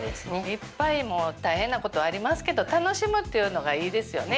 いっぱい大変なことはありますけど楽しむっていうのがいいですよね。